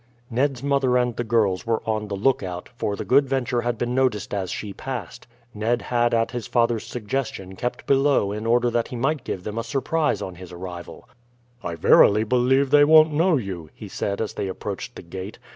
Ned's mother and the girls were on the lookout, for the Good Venture had been noticed as she passed. Ned had at his father's suggestion kept below in order that he might give them a surprise on his arrival. "I verily believe they won't know you," he said as they approached the gate.